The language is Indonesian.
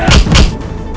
udah pak gausah pak